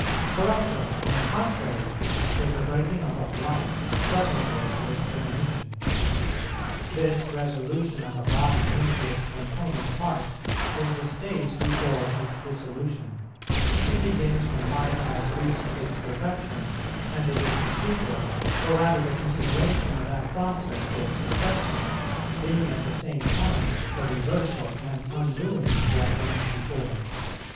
Corruption, on the contrary, is the breaking up of life, preparatory to its termination. This resolution of a body into its component parts is the stage before its dissolution; it begins when life has reached its perfection, and it is the sequel, or rather the continuation, of that process towards perfection, being at the same time the reversal and undoing of what went before.